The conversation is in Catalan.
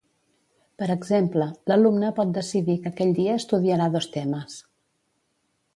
Per exemple, l’alumne pot decidir que aquell dia estudiarà dos temes.